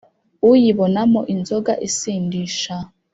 uyibonamo inzoga isindisha